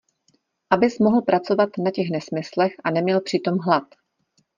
Abys mohl pracovat na těch nesmyslech a neměl přitom hlad!